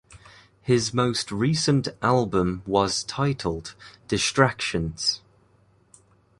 His most recent album was titled "Distractions".